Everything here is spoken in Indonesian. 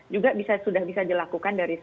juga sudah bisa dilakukan dari